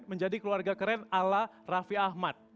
menjadi keluarga keren ala raffi ahmad